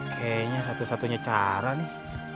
kayaknya satu satunya cara nih